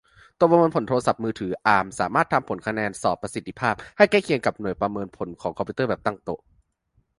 ตัวประเมินผลโทรศัพท์มือถือ อาร์ม สามารถทำผลคะแนนสอบประสิทธิ์ภาพ ได้ใกล้เคียงกับ หน่วยประเมินผลของคอมพิวเตอร์แบบตั้งโต๊ะ